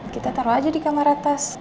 kita taruh aja di kamar atas